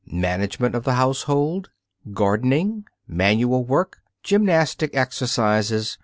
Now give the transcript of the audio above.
Management of the household. Gardening. Manual work. Gymnastic exercises.